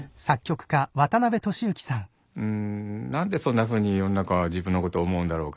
うんなんでそんなふうに世の中は自分のことを思うんだろうか。